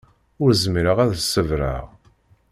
Ur zmireɣ ad s-ṣebreɣ.